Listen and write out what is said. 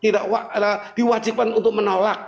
diwajibkan untuk menolak